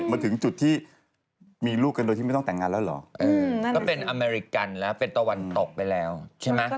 มาถึงจุดที่มีลูกกันโดยที่ไม่ต้องแต่งงานแล้วเหรอก็เป็นอเมริกันแล้วเป็นตะวันตกไปแล้วใช่ไหม